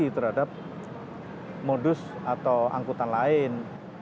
tidak dianggap sebagai kompetisi terhadap modus atau angkutan lain